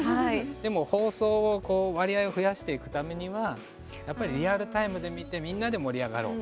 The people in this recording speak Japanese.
でも放送を割合を増やしていくためにはやっぱり、リアルタイムで見てみんなで盛り上がろう。